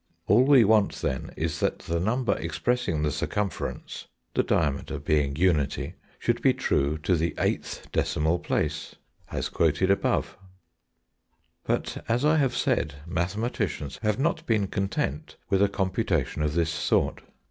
All we want, then, is that the number expressing the circumference (the diameter being unity) should be true to the eighth decimal place, as quoted above (p. 291, l. 5). But as I have said, mathematicians have not been content with a computation of this sort.